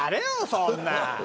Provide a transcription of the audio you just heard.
そんなの。